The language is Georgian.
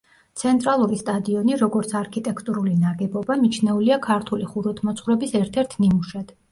ცენტრალური სტადიონი, როგორც არქიტექტურული ნაგებობა, მიჩნეულია ქართული ხუროთმოძღვრების ერთ-ერთ ნიმუშად.